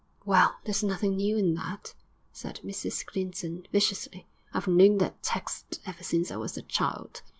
'Well, there's nothing new in that,' said Mrs Clinton, viciously. 'I've known that text ever since I was a child.'